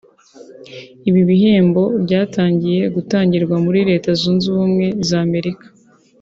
Ibi bihembo byatangiye gutangirwa muri Leta Zunze Ubumwe za Amerika